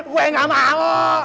gua ga mau